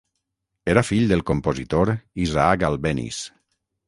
Era fill del compositor Isaac Albéniz.